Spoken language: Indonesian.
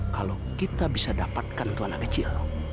kalau kita bisa dapatkan tuan kecil